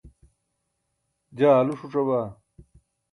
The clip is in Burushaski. jaa aalu ṣuc̣abaa